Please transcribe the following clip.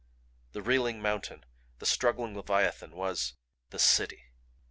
The reeling mountain, the struggling leviathan, was the City!